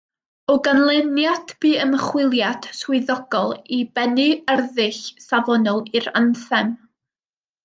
O ganlyniad bu ymchwiliad swyddogol i bennu arddull safonol i'r Anthem.